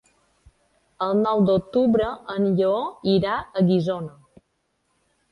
El nou d'octubre en Lleó irà a Guissona.